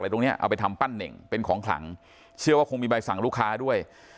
ตรงเนี้ยเอาไปทำปั้นเน่งเป็นของขลังเชื่อว่าคงมีใบสั่งลูกค้าด้วย